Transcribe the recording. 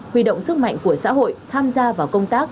huy động sức mạnh của xã hội tham gia vào công tác